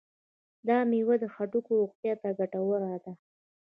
دا میوه د هډوکو روغتیا ته ګټوره ده.